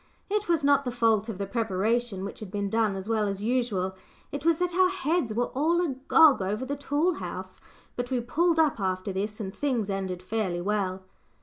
It was not the fault of the preparation which had been done as well as usual it was that our heads were all agog over the tool house! But we pulled up after this, and things ended fairly well.